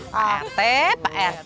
pak rt pak rt